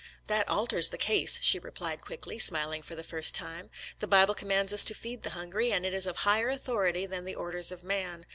" That alters the case," she replied quickly, smiling for the first time. " The Bible commands us to feed the hungry, and it is of higher authority than the orders of man.